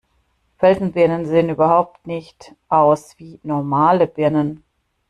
Felsenbirnen sehen überhaupt nicht aus wie normale Birnen.